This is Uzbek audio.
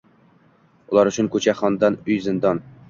Ular uchun ko‘cha – xandon, uy – zindon.